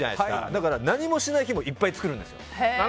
だから何もしない日もいっぱい作るんですよ。